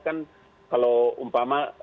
kan kalau umpama